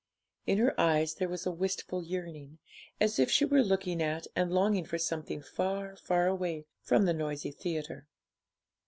In her eyes there was a wistful yearning, as if she were looking at and longing for something far, far away from the noisy theatre.